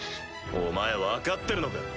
お前分かってるのか？